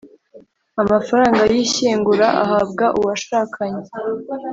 amafaranga y ishyingura ahabwa uwashakanye